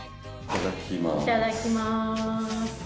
いただきます。